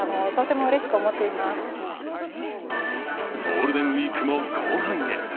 ゴールデンウイークも後半へ。